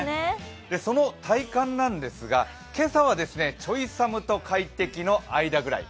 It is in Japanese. その体感なんですが、今朝はちょい寒と快適の間ぐらい。